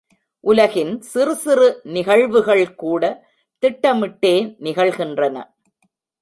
உலகின் சிறு சிறு நிகழ்வுகள் கூட திட்டமிட்டே நிகழ்கின்றன.